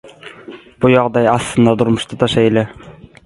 Bu ýagdaý aslynda durmuşda-da şeýle.